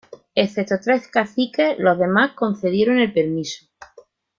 Excepto tres caciques, los demás concedieron el permiso.